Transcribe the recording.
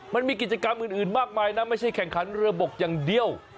มันมีกิจกรรมอื่นมากมายนะไม่ใช่แข่งขันเรือบกอย่างเดียว